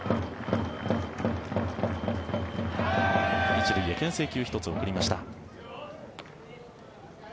１塁へけん制球を１つ送りました。